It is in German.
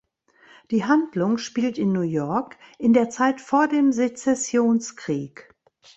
Die Handlung spielt in New York in der Zeit vor dem Sezessionskrieg.